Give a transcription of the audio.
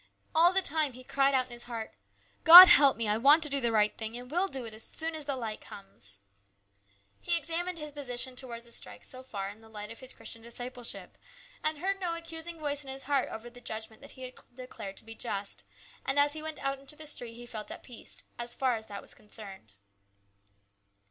All the time he cried out in his heart, " God help me ! I want to do the right thing, and will do it as soon as the light comes." He examined his position towards the strike so far in the light of his Christian disciple ship, and heard no accusing voice in his heart over the judgment that he had declared to be just, and as he went out into the street he felt at peace, as far as that was concerned.